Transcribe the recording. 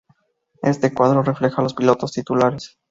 Este cuadro refleja los pilotos titulares.